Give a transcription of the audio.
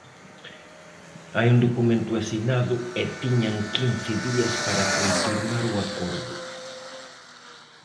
Hai un documento asinado e tiñan quince días para confirmar o acordo.